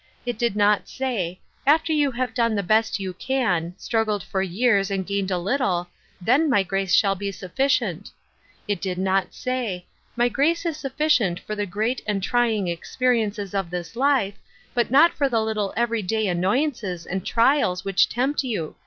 It did not say, * After you have done the best you can — struggled for years and gained a lit tie — then my grace shall be sufficient.' It did not say, ' My grace is sufficient for the groat and trying experiences of this life, but ncc for the little every day annoyances and uiak. which tempt you.